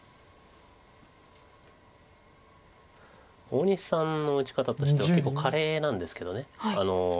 大西さんの打ち方としては結構華麗なんですけど。